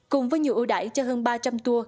cùng với nhiều ưu đải cho hơn ba trăm linh tour